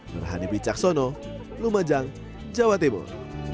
berhani bicaksono lumajang jawa timur